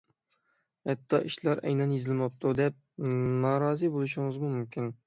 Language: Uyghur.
ھەتتا ئىشلار ئەينەن يېزىلماپتۇ دەپ نارازى بولۇشىڭىزمۇ مۇمكىن.